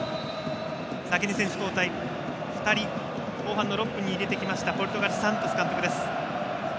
先に選手交代２人、後半の６分に入れてきましたポルトガル、サントス監督です。